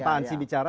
pak hansi bicara